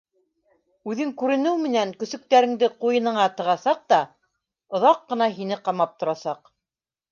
Үҙең күренеү менән көсөктәреңде ҡуйыныңа тығасаҡ та, оҙаҡ ҡына һине ҡамап торасаҡ.